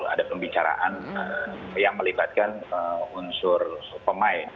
ada pembicaraan yang melibatkan unsur pemain